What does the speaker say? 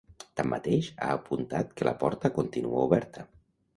Tanmateix, ha apuntat que ‘la porta continua oberta’.